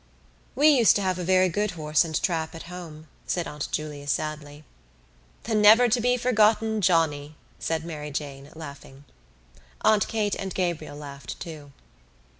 "We used to have a very good horse and trap at home," said Aunt Julia sadly. "The never to be forgotten Johnny," said Mary Jane, laughing. Aunt Kate and Gabriel laughed too.